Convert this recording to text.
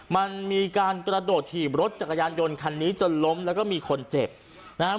มันมีการกระโดดถีบรถจักรยานยนต์คันนี้จนล้มแล้วก็มีคนเจ็บนะฮะ